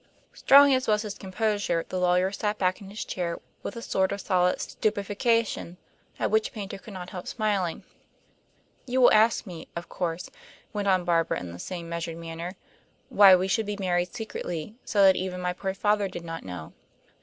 Strong as was his composure, the lawyer sat back in his chair with a sort of solid stupefaction at which Paynter could not help smiling. "You will ask me, of course," went on Barbara in the same measured manner, "why we should be married secretly, so that even my poor father did not know.